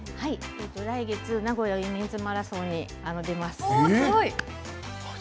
来月、名古屋ウィメンズマラソンに出ます。